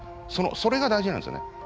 それが大事なんですよね。